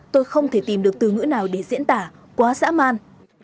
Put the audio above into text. tôi không thể tìm được từ ngữ nào để diễn tả quá dã man